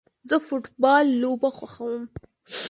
زه فټبال لوبه خوښوم